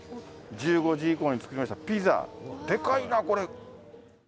１５時以降に作りました、ピザ、でかいな、これ。